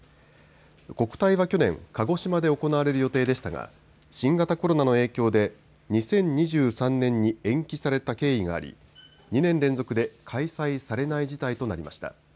国体は去年、鹿児島で行われる予定でしたが新型コロナの影響で２０２３年に延期された経緯があり、２年連続で開催されない事態となりました。